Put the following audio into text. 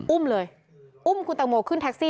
อุ้มเลยอุ้มคุณตังโมขึ้นแท็กซี่